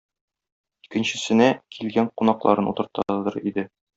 Икенчесенә килгән кунакларын утыртадыр иде.